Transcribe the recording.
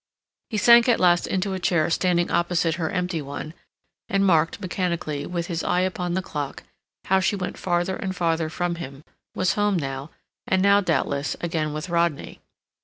He sank at last into a chair standing opposite her empty one, and marked, mechanically, with his eye upon the clock, how she went farther and farther from him, was home now, and now, doubtless, again with Rodney.